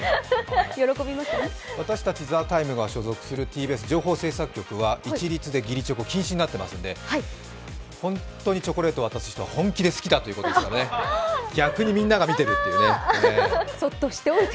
私たち、「ＴＨＥＴＩＭＥ，」が所属する情報制作局は一律で義理チョコ禁止になっていますので、ホントにチョコレートを渡す人は本気で好きだというね、逆にみんなが見てるっていうね。